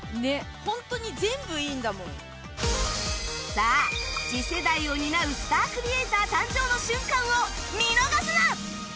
さあ次世代を担うスタークリエイター誕生の瞬間を見逃すな！